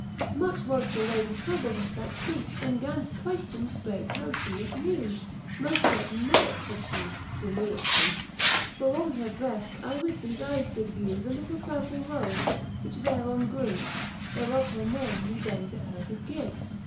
Much was the Lady troubled at that fpeach, And gan to queftion ftreight how fhe it knew. Moft certaine markes, faid fhe, do me it teach ; For on her breft I with thefe eyes did vew The Htle purple rofe, which thereon grew; Whereof her name ye then to her did give.